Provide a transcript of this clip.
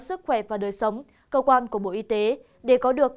xin kính chào tạm biệt và hẹn gặp lại